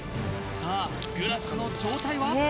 さあグラスの状態は？